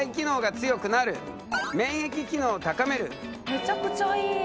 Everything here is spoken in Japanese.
めちゃくちゃいい。